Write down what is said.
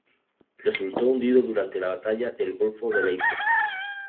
Resultó hundido durante la batalla del Golfo de Leyte.